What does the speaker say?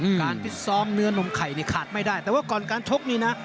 การฟิศซ้อมเนื้อนมไข่นี่ขาดไม่ได้แต่ว่าก่อนการชกนี่นะ